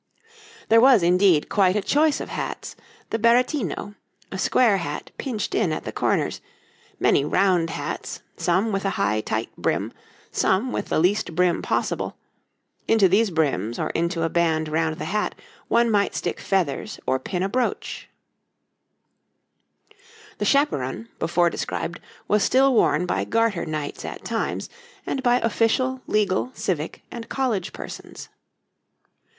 }] There was, indeed, quite a choice of hats: the berretino a square hat pinched in at the corners; many round hats, some with a high, tight brim, some with the least brim possible; into these brims, or into a band round the hat, one might stick feathers or pin a brooch. [Illustration: A MAN OF THE TIME OF HENRY VII. (1485 1509)] The chaperon, before described, was still worn by Garter Knights at times, and by official, legal, civic, and college persons.